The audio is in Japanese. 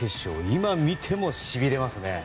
今見てもしびれますね。